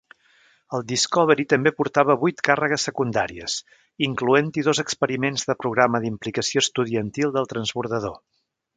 El "Discovery" també portava vuit càrregues secundàries, incloent-hi dos experiments de programa d'implicació estudiantil del transbordador.